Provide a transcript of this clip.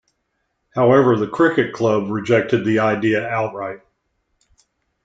However, the Cricket Club rejected the idea outright.